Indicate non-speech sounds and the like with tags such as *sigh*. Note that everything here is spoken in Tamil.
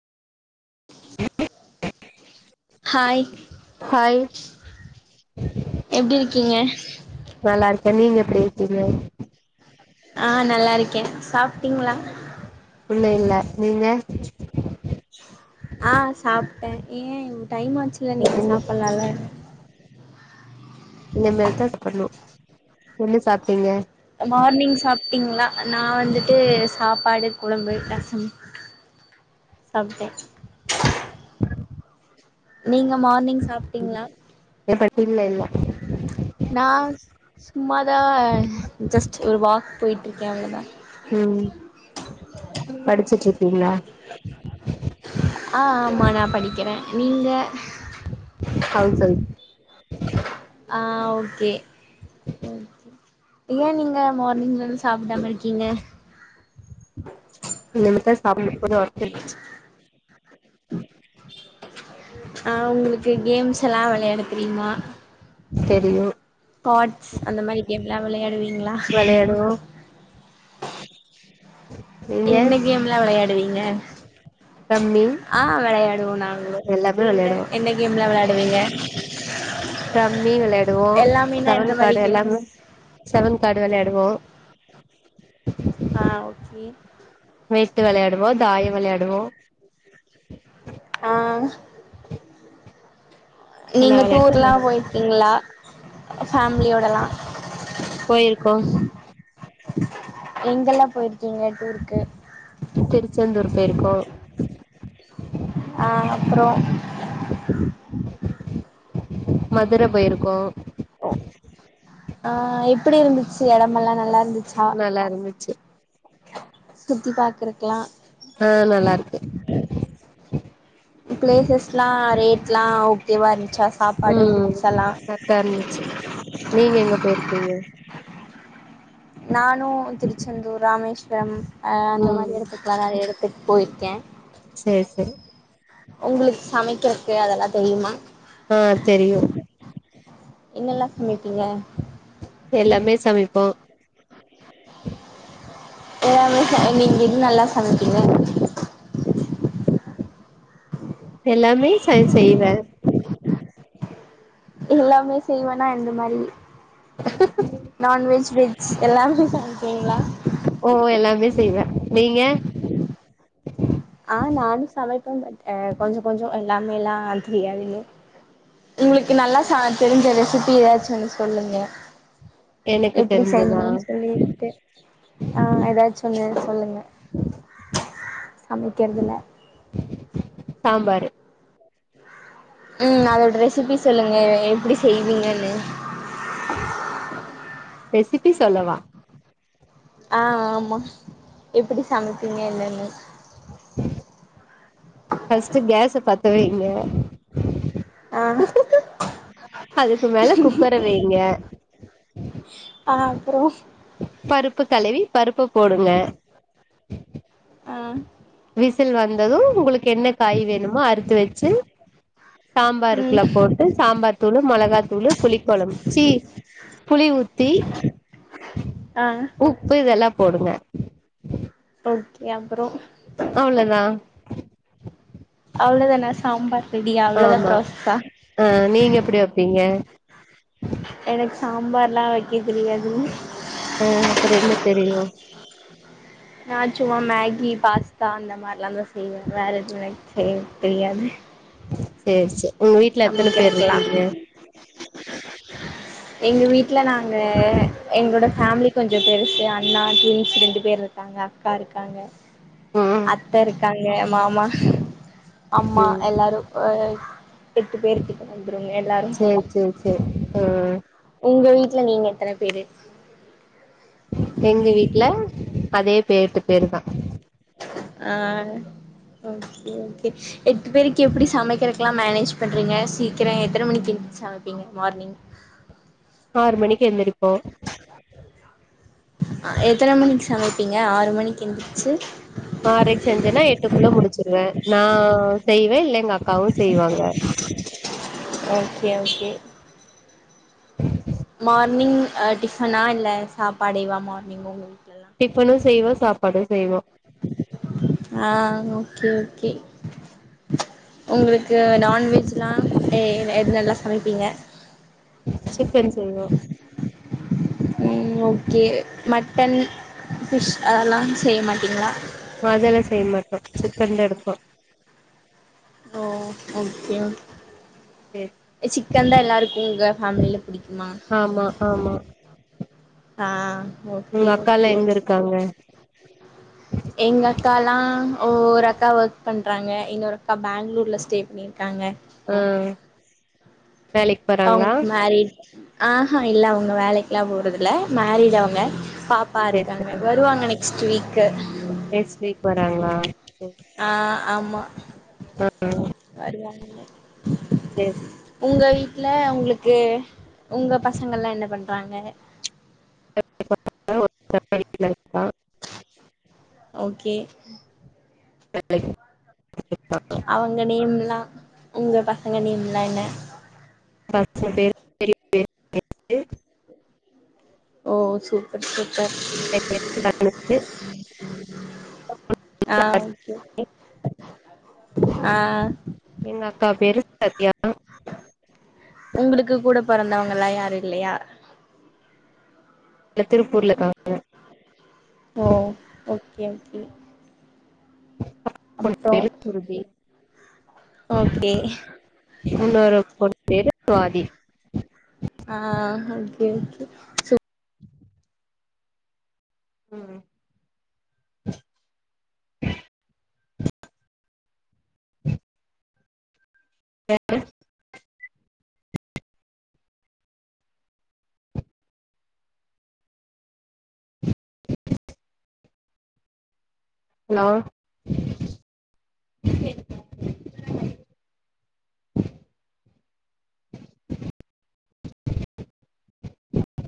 ஹாய் ஹாய் எப்டி இருக்கீங்க நல்லாருக்கே நீங்க எப்டி இருக்கீங்க ஆ நல்லாருக்க சாப்பிட்டீங்களா இல்லா இல்ல நீங்க ஆ சாப்ட்டே ஏ டைம்‌ ஆச்சுல்ல நீங்க என்ன சாப்பில்லால இன்ன மேல்தா சாப்பிடணு என்ன சாப்ட்டீங்க மார்னிங் சாப்ட்டீங்ளா நா வந்துட்டு சாப்பாடு கொழம்பு ரசம் சாப் நீங்க மார்னிங் சாப்ட்டீங்ளா *unintelligible* நா சும்மாதா ஜஸ்ட் ஒரு வாக் போய்ட்டு இருக்க அவ்ளோதா ம் படிச்சுட்டுருக்கீங்ளா ஆஹ் ஆமா நா படிக்கிறே நீங்க ஹவுஸ் வைப் ஆ ஓகே ஏன் நீங்க மார்னிங்லருந்து சாப்பிடாமருக்கீங்க இனிமேத்த சாப்பனுப்ப கொஞ்சோ ஓர்க் இருந்துச்சு ஆஹ் உங்களுக்கு கேம்ஸ் எல்லா வெளயாட தெரியுமா தெரியும் கார்ட்ஸ் அந்த மாரி கேம் லா வெளயாடுவீங்ளா வெளையாடுவோ நீங்க என்ன கேம்லாம் வெளயாடுவீங்க ரம்மி ஆஹ் வெளயாடுவோ நாங்களு எல்லாமே நீங்க வெளையாடுவோ என்னைக் கேம்லா வெளயாடுவீங்க ரம்மி வெளயாடுவோ செவன் மாரி கார்ட கேம்ஸ் எல்லாமே செவன் கார்டு வெளயாடுவோ ஆ ஓகே வெட்டு வெளயாடுவோ தாயம் வெளயாடுவோ ஆ எல்லா நீங்க வெளையாட்டு டூர்லா வெளையாடுவோ போயிற்கீங்ளா ஃபேமிலியோடலாம் போயிருக்கோ எங்கல்லா போயிருக் நீங்க டுருக்கு திருச்செந்தூர் போயிருக்கோ அஹ் அப்றோ மதுர போயிருக்கோ *inaudible* ஆஹ் எப்படி இருந்துச்சு எடமெல்லா நல்லாருந்துச்சா நல்லாருந்துச்சு சுத்தி பாக்குறக்கலா ஆஹ் நல்லாருக்கு பிளேசஸ்ல்லா ரேட்ல்லா ஓகேவா இருந்துச்சா சாப்பாடு ம் ஃபுட்ஸ்ல்லா *unintelligible* நீங்க எங்க போயிருக்கீங்க நானு திருச்சாந்தூர் ராமேஸ்வரம் அ அந்த ம் மாரி எடத்துக்கலா நெறய எத்துக்கு போயிருக்க சேரி சேரி உங்களுக்கு சமக்கறக்கு அதெல்லா தெரியுமா ஆ தெரியு என்னால சமப்பீங்க எல்லாமே சமைப்போ எல்லாமே ச நீங்க எது நல்லா சமப்பீங்க எல்லாமே சன் செய்வே எல்லாமே செய்வேனா எந்த மாரி ம்ம் நான்வெஜ் வெஜ் எல்லாமே சமப்பீங்ளா ஓ எல்லாமே செய்வ நீங்க ஆ நானு சமப்பே பட் கொஞ்ச கொஞ்ச எல்லாமேல்லா தெரியாது இன்னு உங்களுக்கு நல்லா சா தெரிஞ்ச ரெசிபி ஏதாச்சு ஒன்னு சொல்லுங்க எனக்கு எப்டி தெரிஞ்சதா செய்யனு சொல்லிட்டு ஆ ஏதாச்சு‌ ஒன்னு சொல்லுங்க சமக்கிறதுல சாம்பாரு ம் அதோட ரெசிபி சொல்லுங்க எப்பிடி செய்வீங்கன்னு ரெசிபி சொல்லவா ஆ ஆமா எப்டி சமப்பீங்க என்னனு ஃபஸ்ட்டு கேஸ பத்த வைங்க ஆ அதுக்கு மேல குக்கர வைங்க அ அப்றோ பருப்பு கழுவி பருப்பு போடுங்க அ விசில் வந்தது உங்களுக்கு என்ன காய் வேணுமோ அறுத்து வச்சு ம் சாம்பாருயிக்குள்ள போட்டு சாம்பார் தூளு மொளகாத் தூளு புளிக் கொழம்பு சீ புளி ஊத்தி ஆ உப்பு இதெல்லா போடுங்க ஓகே அப்றோ அவ்ளோ தா அவ்ளோ தானா சாம்பார் ரெடியா அவ்ளதா ஆமா ப்ராசஸா ஆ நீங்க எப்டி வப்பீங்க எனக்கு சாம்பார்ல்லா வக்கத் தெரியாதுங்க ஆ அப்றோ என்ன தெரியு நா சும்மா மேகி பாஸ்தா அந்த மாரில்லா தா செய்வ வேற எதுவுமே எனக்கு செய்ய தெரியாது சேரி சேரி உங்க வீட்ல எத்தன பேர் சமைக்கிறதுக்கெல்லா இருக்கீங்க எங்கள் வீட்ல நாங்க எங்களோட ஃபாமிலி கொஞ்சு பெருசு அண்ணா ட்வின்ஸ் ரெண்டு பேர் இருக்காங்க அக்கா இருக்காங்க ம் அத்த இருக்காங்க மாமா அம்மா ம் எல்லாரு அ எட்டு பேர் கிட்ட வந்துருங்க எல்லாரு சேரி சேரி சேரி ஆ உங்க வீட்ல நீங்க எத்தன பேரு எங்க வீட்ல அதே பே எட்டு பேர்தா ஆ ஓகே ஓகே எட்டு பேருக்கு எப்டி சமைக்கறதுகெல்லா மெனேஜ் பண்றீங்க சீக்கிர எத்தன மணிக்கு எந்த்ருச் சமப்பீங்க மார்னிங் ஆறு மணிக்கு எந்திருப்போ அ எத்தன மணிக்கு சமைப்பீங்க ஆறு மணிக்கு எந்துருச்சு ஆறரைக்கு செஞ்சேனா எட்டுக்குள்ள முடிச்சிருவே நா செய்வே இல்ல எங்க அக்காவு செய்வாங்க ஓகே ஓகே மார்னிங் அ டிஃபனா இல்ல சாப்பாடேவா மார்னிங் உங்க வீட்டுலல்லா டிஃபனு செய்வோ சாப்பாடு செய்வோ ஆ ஓகே ஓகே உங்களுக்கு நான்வெஜ்லா எ எத் நல்லா சமைப்பீங்க சிக்கன் செய்வோ ம் ஓகே மட்டன் ஃபிஷ் அதல்லா செய்ய மாட்டிங்ளா ம அதெல்லா செய் மாட்டோ சிக்கன்டு எடுப்போ ஓ ஓகே ஓக் சிக்கன் தா எல்லாருக்கு உங்க ஃபாமிலில புடிக்குமா ஆமா ஆமா ஆ ஓக் உங்க அக்கால்லா எங்க இருக்காங்க எங்க அக்கால்லா ஒர் அக்கா ஒர்க் பண்றாங்க இன்னொரு அக்கா பாங்களூர்ல ஸ்டே பண்ணி இக்காங்க ம் அவுங்குக்கு மேரேஜ் ஆஹா இல்ல அவங்க வேலைக்ல்லா போறதுல்ல மரிட் அவுங்க பாப்பா சேரி சேரி இருக்காங்க ருவாங்க நெக்ஸ்ட்டு வீக்கு நெக்ஸ்ட் வீக் வராங்ளா ஆ ஆமா ஆ வருவாங்க செ உங்க வீட்டல உங்களுக்கு உங்க பசங்கள்லா என்ன பண்றாங்க *inaudible* ஓகே *inaudible* அவங்க நேம்லா உங்க பசங்க நேம்லா என்ன *inaudible* ஓ சூப்பர் சூப் க *inaudible* ஆ ஓகே ஆ எங்க அக்கா பேரு சத்யா உங்களுக்கு கூட பிறந்தவங்களா யாரு இல்லயா எல்லா திருப்பூர்ல க் *unintelligible* காங்க ஓ ஓகே ஓகே அப்றோ *inaudible* ஓகே இன்னொரு பொண்ணு பேரு சுவாதி ஆ ஓகே ஓகே சு ம் *inaudible* ஹலோ